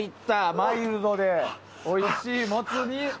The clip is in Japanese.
マイルドでおいしいモツ煮。